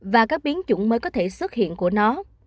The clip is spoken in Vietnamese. và các biến chủng mới có thể xuất hiện của nó